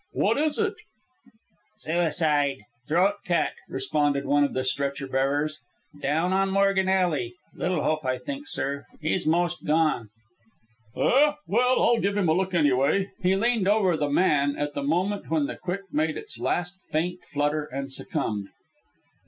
"What is it?" "Suicide throat cut," responded one of the stretcher bearers. "Down on Morgan Alley. Little hope, I think, sir. He's 'most gone." "Eh? Well, I'll give him a look, anyway." He leaned over the man at the moment when the quick made its last faint flutter and succumbed.